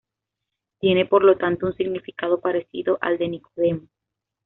Tiene por lo tanto un significado parecido al de Nicodemo.